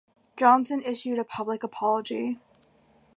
Johnson issued a public apology.